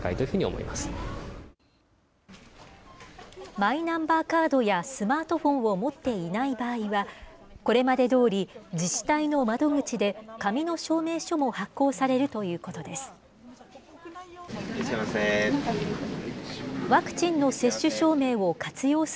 マイナンバーカードやスマートフォンを持っていない場合は、これまでどおり、自治体の窓口で紙の証明書も発行されるということです。